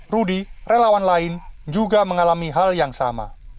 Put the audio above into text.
rudy relawan lain juga mengalami hal yang sama